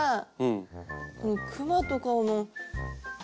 このクマとかも。